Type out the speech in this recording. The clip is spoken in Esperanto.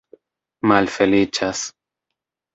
malfeliĉas